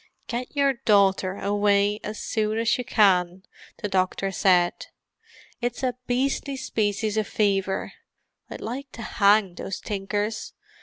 "Get your daughter away as soon as you can," the doctor said. "It's a beastly species of fever; I'd like to hang those tinkers.